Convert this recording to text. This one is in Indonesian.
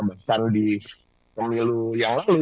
bahkan di kemilu yang lalu